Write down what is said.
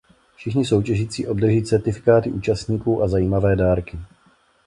Všichni soutěžící obdrží certifikáty účastníků a zajímavé dárky.